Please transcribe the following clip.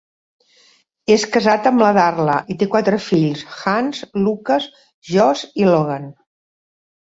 És casat amb la Darla i té quatre fils: Hans, Lucas, Josh i Logan.